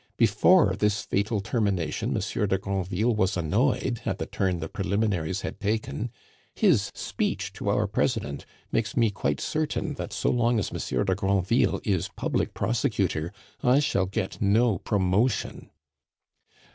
Before this fatal termination Monsieur de Granville was annoyed at the turn the preliminaries had taken; his speech to our President makes me quite certain that so long as Monsieur de Granville is public prosecutor I shall get no promotion."